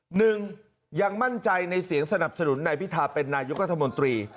หนึ่งยังมั่นใจในเสียงสนับสนุนนายพิธาเป็นนายกรัฐมนตรี